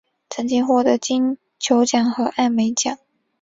曾经获得金球奖和艾美奖。